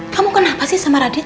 kamu kenapa sih sama radit